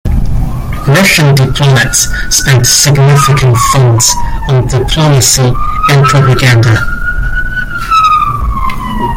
Russian diplomats spent significant funds on diplomacy and propaganda.